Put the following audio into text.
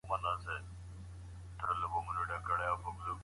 که اړیکه خرابېږي نو ټیم همغږي له منځه ځي بې ځنډه.